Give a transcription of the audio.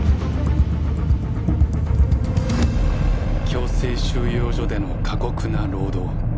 強制収容所での過酷な労働。